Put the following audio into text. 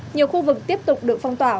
nhiều khu vực tiếp tục được phong tỏa